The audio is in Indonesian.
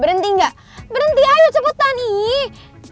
berhenti gak berhenti ayo cepetan iiih